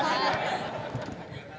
sudah cukup ya